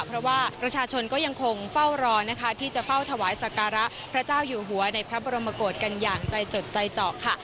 เพราะว่าประชาชนก็ยังคงเฝ้ารอนะคะที่จะเฝ้าถวายสการะพระเจ้าอยู่หัวในพระบรมกฏกันอย่างใจจดใจเจาะค่ะ